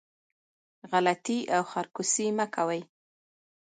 غلطي او خرکوسي مه کوئ